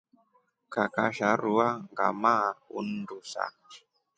Kakasha rua ngamaa undusha.